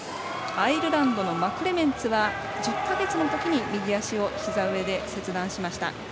アイルランドのマクレメンツは１０か月のときに、右足をひざ上で切断しました。